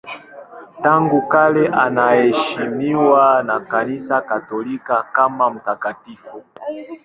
Tangu kale anaheshimiwa na Kanisa Katoliki kama mtakatifu.